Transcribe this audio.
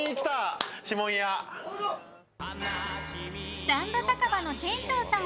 スタンド酒場の店長さん